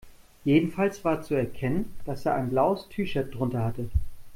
Jedenfalls war zu erkennen, dass er ein blaues T-Shirt drunter hatte.